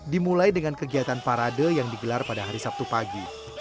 dimulai dengan kegiatan parade yang digelar pada hari sabtu pagi